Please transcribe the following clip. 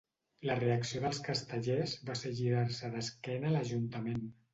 La reacció dels castellers va ser girar-se d’esquena a l’ajuntament.